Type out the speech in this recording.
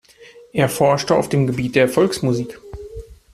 Er forschte auf dem Gebiet der Volksmusik.